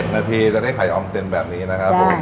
นาทีจะได้ไข่ออมเซ็นแบบนี้นะครับผม